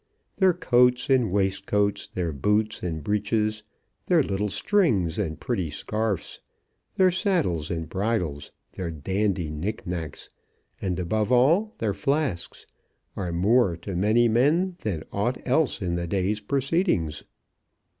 Their coats and waistcoats, their boots and breeches, their little strings and pretty scarfs, their saddles and bridles, their dandy knick knacks, and, above all, their flasks, are more to many men than aught else in the day's proceedings.